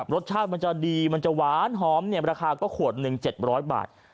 รสชาติมันจะดีมันจะหวานหอมเนี่ยราคาก็ขวด๑สิบบร้อยบาท